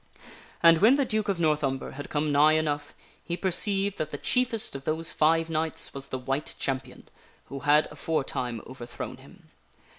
And when the Duke of North Umber had come nigh enough, he per ceived that the chiefest of those five knights was the White Champion who had aforetime overthrown him.